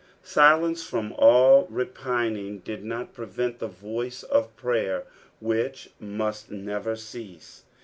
Bilence from all repining did not prevent the voice of prayer, which muat never cease.